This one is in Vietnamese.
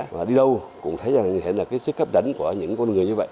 và đi đâu cũng thấy là cái sức hấp dẫn của những con người như vậy